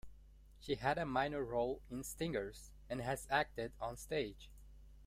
She had a minor role in "Stingers" and has acted on stage.